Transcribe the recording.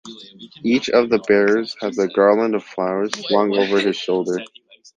Each of the bearers has a garland of flowers slung over his shoulder.